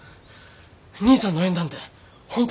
兄さんの縁談て本当